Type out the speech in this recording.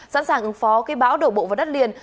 sẵn sàng ứng phó khi bão đổ bộ vào đất liền